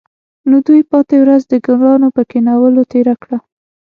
نو دوی پاتې ورځ د ګلانو په کینولو تیره کړه